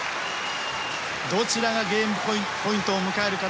どちらがゲームポイントを迎えるか。